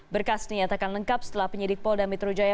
berkas dinyatakan lengkap setelah penyidik polda mitrojaya